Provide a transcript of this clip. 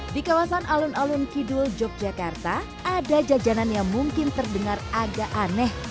di kawasan alun alun kidul yogyakarta ada jajanan yang mungkin terdengar agak aneh